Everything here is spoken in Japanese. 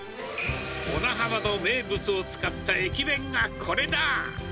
小名浜の名物を使った駅弁がこれだ！